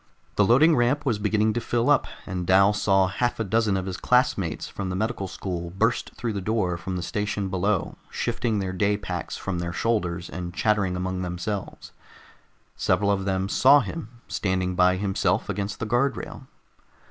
The loading ramp was beginning to fill up, and Dal saw half a dozen of his classmates from the medical school burst through the door from the station below, shifting their day packs from their shoulders and chattering among themselves. Several of them saw him, standing by himself against the guard rail.